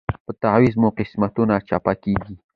په تعویذ مو قسمتونه چپه کیږي